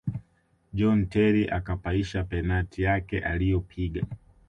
john terry akapaisha penati yake aliyopiga